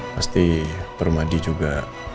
pasti parmadi juga